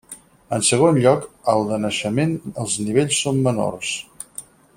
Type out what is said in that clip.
En segon lloc al de naixement els nivells són menors.